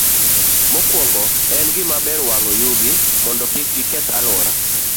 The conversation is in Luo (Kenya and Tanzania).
Mokwongo, en gima ber wang'o yugi mondo kik giketh alworawa.